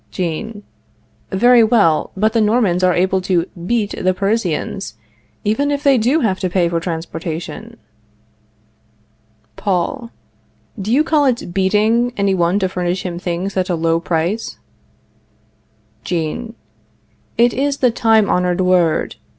Jean. Very well; but the Normans are able to beat the Parisians, even if they do have to pay for transportation. Paul. Do you call it beating any one to furnish him things at a low price? Jean. It is the time honored word.